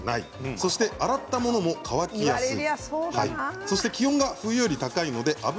そして洗ったものも乾きやすい。